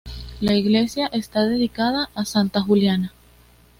La iglesia está dedicada a santa Juliana.